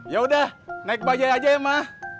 yaudah naik bajaj aja ya ma